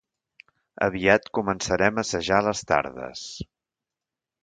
Aviat començarem a assajar a les tardes.